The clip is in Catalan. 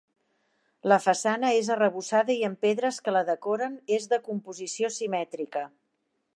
La façana és arrebossada i amb pedres que la decoren, és de composició simètrica.